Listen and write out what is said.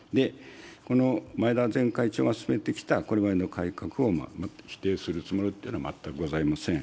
この前田前会長が進めてきた、これまでの改革を否定するつもりというのは全くございません。